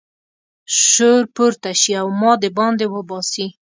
شور پورته شي او ما د باندې وباسي.